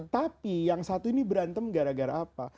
tapi yang satu ini berantem gara gara apa